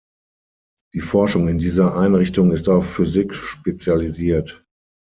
Die Forschung in dieser Einrichtung ist auf Physik spezialisiert.